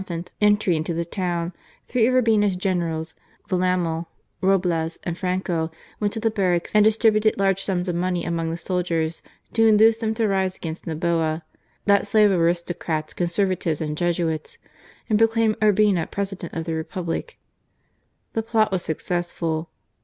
45 pbant entry into the town, three of Urbina's Generals, Villamil, Roblez, and Franco, went to the barracks and distributed large sums of money among the soldiers to induce them to rise against Noboa, " that slave of Aristocrats, Conservatives, and Jesuits," and proclaim Urbina President of the Republic. The plot was successful.